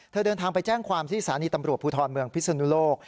เดินทางไปแจ้งความที่สถานีตำรวจภูทรเมืองพิศนุโลก